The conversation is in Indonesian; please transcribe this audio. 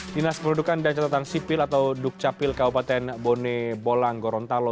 dinas perudukan dan catatan sipil atau dukcapil kabupaten bone bolang gorontalo